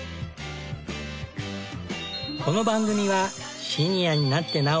この番組はシニアになってなお